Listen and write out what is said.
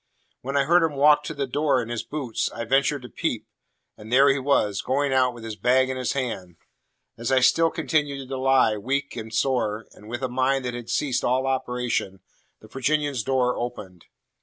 When I heard him walk to the door in his boots, I ventured to peep; and there he was, going out with his bag in his hand. As I still continued to lie, weak and sore, and with a mind that had ceased all operation, the Virginian's door opened.